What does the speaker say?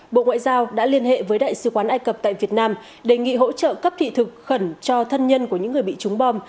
bộ ngoại giao đã liên hệ với đại sứ quán ai cập tại việt nam đề nghị hỗ trợ cấp thị thực khẩn cho thân nhân của những người bị trúng bom